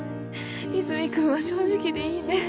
和泉君は正直でいいね